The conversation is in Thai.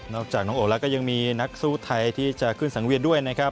จากน้องโอแล้วก็ยังมีนักสู้ไทยที่จะขึ้นสังเวียนด้วยนะครับ